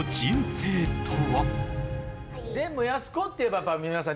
でもやす子っていえば皆さん